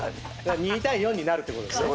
２対４になるってことですね。